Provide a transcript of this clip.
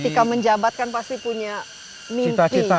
ketika menjabat kan pasti punya mimpi cita cita